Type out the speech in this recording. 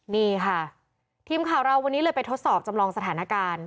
นี่ค่ะทีมข่าวเราวันนี้เลยไปทดสอบจำลองสถานการณ์